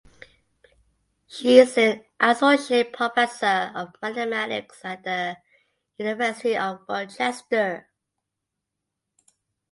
She is an associate professor of mathematics at the University of Rochester.